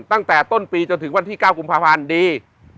ตั้งแต่ต้นปีจนถึงวัน๙กภดี